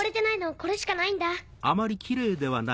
これしかないんだ。